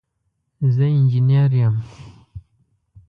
زه انجنیر یم